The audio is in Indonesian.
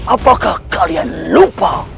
apakah kalian lupa